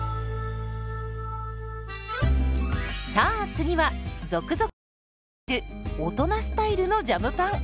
さあ次は続々登場している大人スタイルのジャムパン。